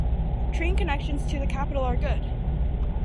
Train connections to the capital are good.